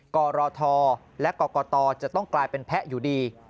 กรทและกรกตจะต้องกลายเป็นแพะอยู่ดี